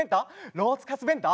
ロースカツ弁当？